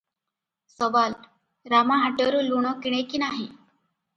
ସୱାଲ - ରାମା ହାଟରୁ ଲୁଣ କିଣେ କି ନାହିଁ?